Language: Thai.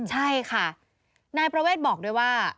ใช่ค่ะนายประเวทบอกด้วยว่า